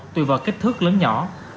tùy vào kích thước lớn nhỏ